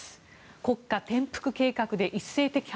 国家転覆計画で一斉摘発。